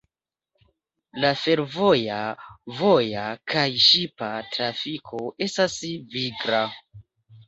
La fervoja, voja kaj ŝipa trafiko estas vigla.